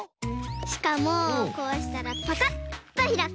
しかもこうしたらパカッとひらく。